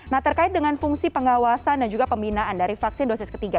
nah terkait dengan fungsi pengawasan dan juga pembinaan dari vaksin dosis ketiga